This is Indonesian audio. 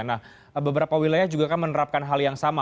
nah beberapa wilayah juga kan menerapkan hal yang sama